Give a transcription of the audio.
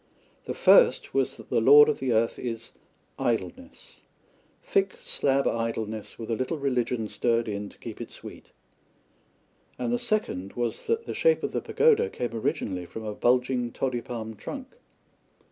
The first was that the Lord of the Earth is Idleness thick slab idleness with a little religion stirred in to keep it sweet, and the second was that the shape of the pagoda came originally from a bulging toddy palm trunk.